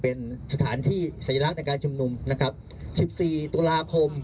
เป็นสถานที่สัญลักษณ์ในการชุมนุมนะครับสิบสี่ตุลาคม